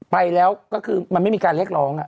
ไปแล้วก็คือมันไม่มีการเรียกร้อง